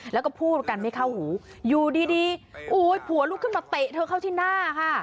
แล้วก็พูดกันไม่เข้าหูอยู่ดีโอ้ยผัวลุกขึ้นมาเตะเธอเข้าที่หน้าค่ะ